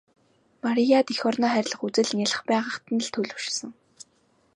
Марияд эх орноо хайрлах үзэл нялх бага байхад нь л төлөвшсөн.